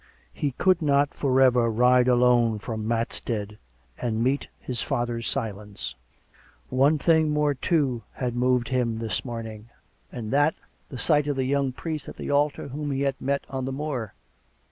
He could not for ever ride alone from Matstead and meet his father's silence. One thing more, too, had moved him this morning; and that, the sight of the young priest at the altar whom he had met on the moor.